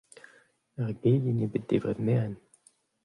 Er gegin eo bet debret merenn.